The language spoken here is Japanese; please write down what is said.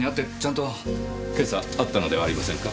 今朝会ったのではありませんか？